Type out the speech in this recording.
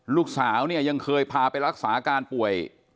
ลูกสาวเนี่ยยังเคยพาไปรักษาการป่วย